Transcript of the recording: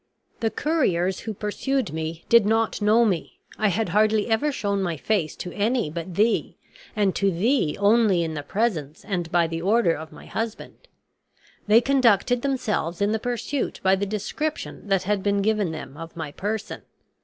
"The couriers who pursued me did not know me. I had hardly ever shown my face to any but thee, and to thee only in the presence and by the order of my husband. They conducted themselves in the pursuit by the description that had been given them of my person.